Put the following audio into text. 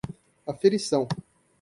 aferição